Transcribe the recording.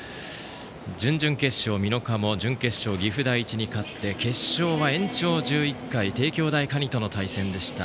準々決勝、美濃加茂準決勝、岐阜第一に勝って決勝は延長１１回帝京大可児との対戦でした。